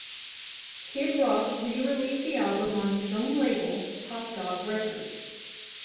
Kid Rock re-released the album on his own label, Top Dog Records.